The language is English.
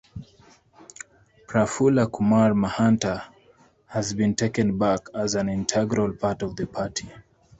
Prafulla Kumar Mahanta has been taken back as an integral part of the party.